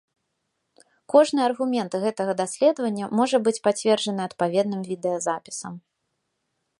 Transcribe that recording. Кожны аргумент гэтага даследавання можа быць пацверджаны адпаведным відэазапісам.